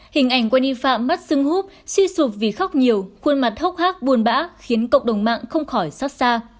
hình ảnh quen y phạm mắt xưng hút suy sụp vì khóc nhiều khuôn mặt hốc hác buồn bã khiến cộng đồng mạng không khỏi xót xa